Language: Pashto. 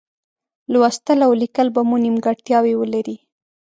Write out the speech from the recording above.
لوستل او لیکل به مو نیمګړتیاوې ولري.